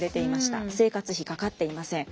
生活費かかっていません。